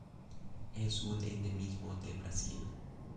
Es un endemismo de Brasil.